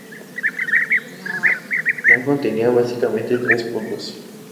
El plan contenía básicamente tres puntos.